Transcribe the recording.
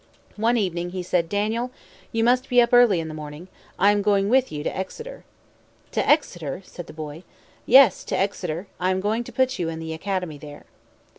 One evening he said, "Daniel, you must be up early in the morning, I am going with you to Exeter." "To Exeter?" said the boy. "Yes, to Exeter. I am going to put you in the academy there."